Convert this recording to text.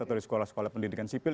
atau di sekolah sekolah pendidikan sipil